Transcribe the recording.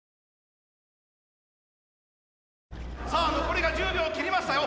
さあ残りが１０秒切りましたよ。